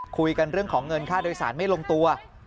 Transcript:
คุยกันเรื่องของเงินค่าโดยสารไม่ลงตัว